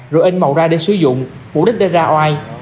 rồi in màu ra để sử dụng mục đích để ra oai